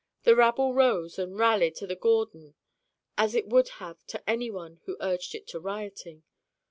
The rabble rose and rallied to the Gordon as it would have to anyone who urged it to rioting.